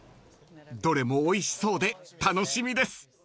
［どれもおいしそうで楽しみです］